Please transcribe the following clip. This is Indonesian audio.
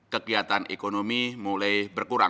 kegiatan ekonomi mulai berkurang